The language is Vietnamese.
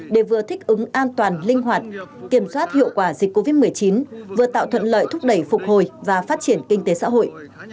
để vừa thích ứng an toàn linh hoạt kiểm soát hiệu quả dịch covid một mươi chín vừa tạo thuận lợi thúc đẩy phục hồi và phát triển kinh tế xã hội